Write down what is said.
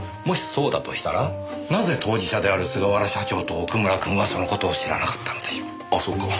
もしそうだとしたらなぜ当事者である菅原社長と奥村くんはその事を知らなかったのでしょう？